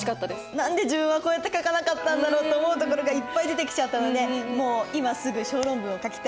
何で自分はこうやって書かなかったんだろうと思うところがいっぱい出てきちゃったのでもう今すぐ小論文を書きたいです。